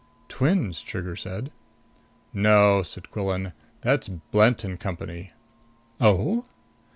"Twins," Trigger said. "No," said Quillan. "That's Blent and Company." "Oh?"